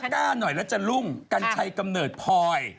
กล้าหน่อยแล้วจะรุ่งกัญชัยกำเนิดพลอย